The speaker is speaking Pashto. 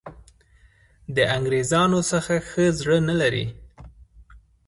د انګرېزانو څخه ښه زړه نه لري.